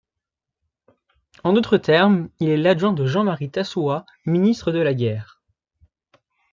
En d'autres termes, il est l'adjoint de Jean-Marie Tassoua Ministre de la guerre.